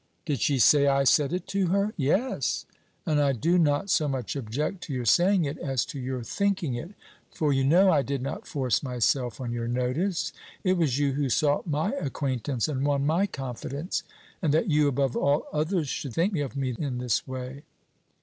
"Did she say I said it to her?" "Yes; and I do not so much object to your saying it as to your thinking it, for you know I did not force myself on your notice; it was you who sought my acquaintance and won my confidence; and that you, above all others, should think of me in this way!"